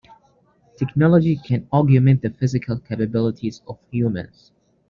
Technology can augment the physical capabilities of humans.